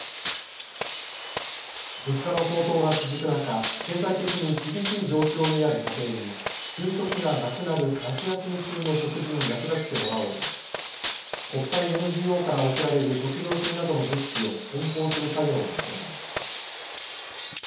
物価の高騰が続く中、経済的に厳しい状況にある家庭に給食がなくなる夏休み中の食事に役立ててもらおうと国際ＮＧＯから送られる食料品などの物資をこん包する作業が行われました。